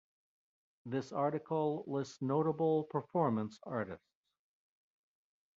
This article lists notable performance artists.